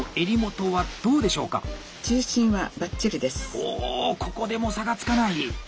おおここでも差がつかない！